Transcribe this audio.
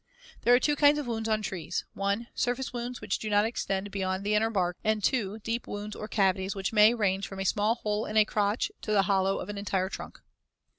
There are two kinds of wounds on trees: (1) surface wounds, which do not extend beyond the inner bark, and (2) deep wounds or cavities, which may range from a small hole in a crotch to the hollow of an entire trunk.